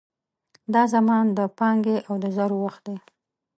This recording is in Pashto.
دا زمان د پانګې او د زرو وخت دی.